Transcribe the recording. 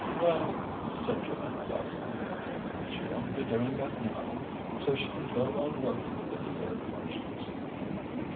"Well," said Joanna placidly, "she won't be doing that now, so she can go on working with a clear conscience."